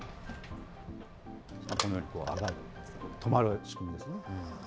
このように止まる仕組みですね。